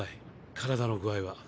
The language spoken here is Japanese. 体の具合は。